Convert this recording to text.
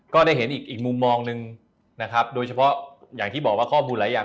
ก็ได้เห็นอีกมุมมองหนึ่งนะครับโดยเฉพาะอย่างที่บอกว่าข้อมูลหลายอย่าง